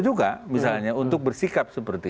juga misalnya untuk bersikap seperti